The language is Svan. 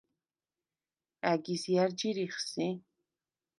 ა̈გის ჲა̈რ ჯირიხ სი?